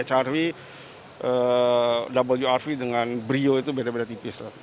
hrv wrv dengan brio itu beda beda tipis lah